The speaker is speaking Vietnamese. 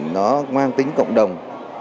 nó mang tính cộng đồng